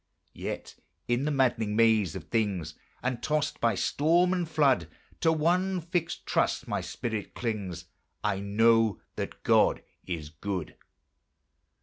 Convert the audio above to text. Yet, in the maddening maze of things, And tossed by storm and flood, To one fixed trust my spirit clings; I know that God is good!